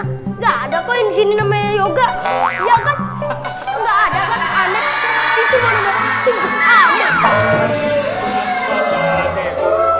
nggak ada koin sini namanya yoga ya kan nggak ada anak anak itu baru